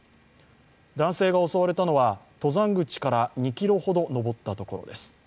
男性が襲われたのは登山口から２ｋｍほど登ったところです。